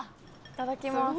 いただきます。